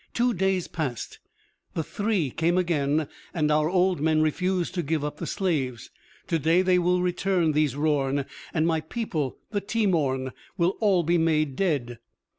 "Two days past, the three came again, and our old men refused to give up the slaves. Today they will return, these Rorn, and my people, the Teemorn will all be made dead!"